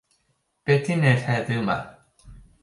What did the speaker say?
Be' ti'n 'neud heddiw 'ma?